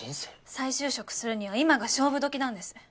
再就職するには今が勝負どきなんです。